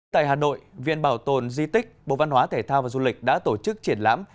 tại hà nội viện bảo tồn di tích bộ văn hóa thể thao và du lịch đã tổ chức triển lãm